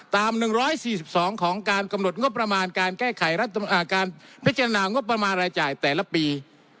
ตาม๑๔๒ของการกำหนดงบประมาณการแก้ไขการพิจารณางบประมาณรายจ่ายแต่ละปี